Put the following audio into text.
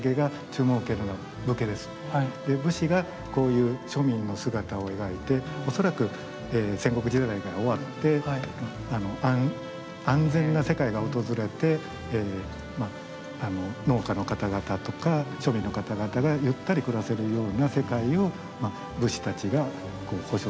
武士がこういう庶民の姿を描いて恐らく戦国時代が終わって安全な世界が訪れて農家の方々とか庶民の方々がゆったり暮らせるような世界を武士たちが保証する。